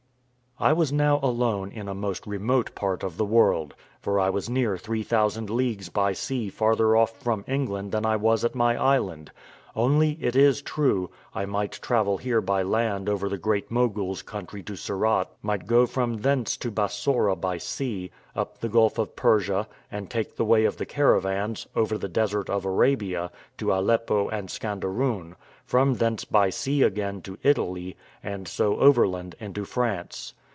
I was now alone in a most remote part of the world, for I was near three thousand leagues by sea farther off from England than I was at my island; only, it is true, I might travel here by land over the Great Mogul's country to Surat, might go from thence to Bassora by sea, up the Gulf of Persia, and take the way of the caravans, over the desert of Arabia, to Aleppo and Scanderoon; from thence by sea again to Italy, and so overland into France.